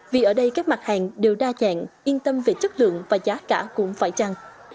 vì ở đây các mặt hàng đều đa dạng yên tâm về chất lượng và giá cả cũng phải chăng